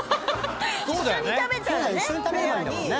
一緒に食べたらね。